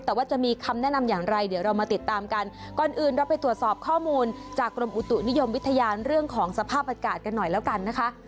แต่ว่าจะมีคำแนะนำอย่างไรเดี๋ยวเรามาติดตามกันก่อนอื่นเราไปตรวจสอบข้อมูลจากกรมอุตุนิยมวิทยาเรื่องของสภาพอากาศกันหน่อยแล้วกันนะคะ